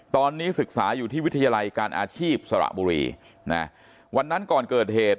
ตอนนี้ศึกษาอยู่ที่วิทยาลัยการอาชีพสระบุรีนะวันนั้นก่อนเกิดเหตุ